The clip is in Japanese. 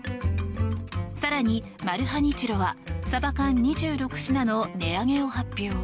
更にマルハニチロはサバ缶２６品の値上げを発表。